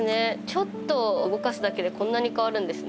ちょっと動かすだけでこんなに変わるんですね。